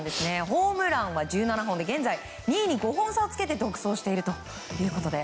ホームランは１７本で現在、２位に５本差をつけて独走しているということで。